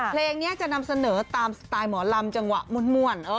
เพลงนี้จะนำเสนอตามสไตล์หมอลำจังหวะม่วน